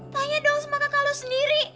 tanya dong sama kakak lo sendiri